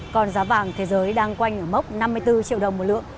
còn giá vàng thế giới đang quanh ở mốc năm mươi bốn triệu đồng một lượng